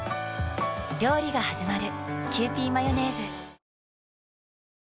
料理がはじまる。